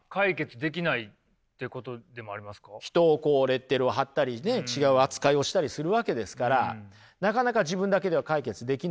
人をこうレッテルを貼ったりね違う扱いをしたりするわけですからなかなか自分だけでは解決できないですよね。